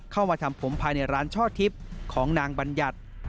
เข้ามาทำผมภายในร้านช่อทิพย์ของนางบัญญัติ